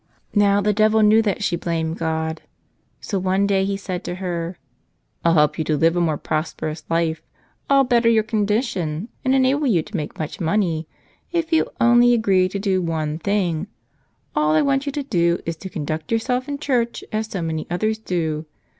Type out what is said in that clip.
Now, the devil knew that she blamed God. So one day he said to her, "I'll help you to live a more pros¬ perous life, I'll better your condition and enable you to make much money, if only you agree to do one thing. All I want you to do is to conduct yourself in church as so many others do.